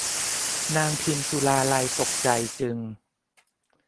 นางพิมสุราลัยตกใจจึง